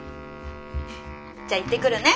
じゃあ行ってくるね。